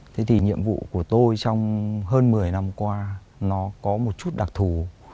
thế thì nhiệm vụ của tôi trong hơn một mươi năm qua nó có một chút đặc thù